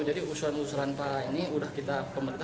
jadi usuran usuran para ini sudah kita pemerintah